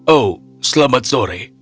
oh selamat sore